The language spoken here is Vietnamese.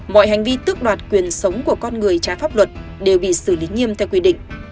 mọi hành vi tước đoạt quyền sống của con người trái pháp luật đều bị xử lý nghiêm theo quy định